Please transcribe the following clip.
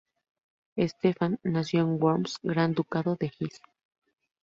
Stephan nació en Worms, Gran Ducado de Hesse.